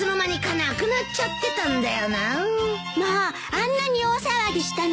あんなに大騒ぎしたのに。